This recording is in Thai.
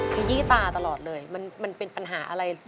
ขยี้ตาตลอดเลยมันเป็นปัญหาอะไร